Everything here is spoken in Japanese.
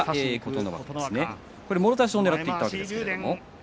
もろ差しをねらっていったわけですけれども。